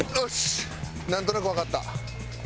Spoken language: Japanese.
なんとなくわかった。